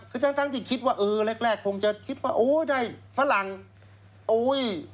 ก็ทั้งที่คิดว่าเออแรกคงจะคิดว่าโอ้ยได้ฝรั่งโอ้ย